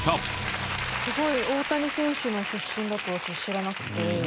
すごい大谷選手の出身だとは知らなくて。